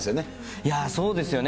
いやー、そうですよね。